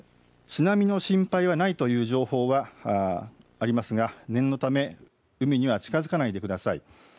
津波の心配はないという情報はありますが念のため海には近づかないでください。